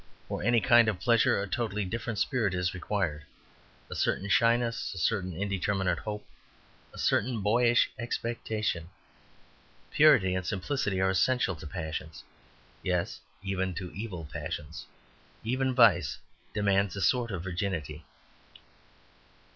For any kind of pleasure a totally different spirit is required; a certain shyness, a certain indeterminate hope, a certain boyish expectation. Purity and simplicity are essential to passions yes even to evil passions. Even vice demands a sort of virginity.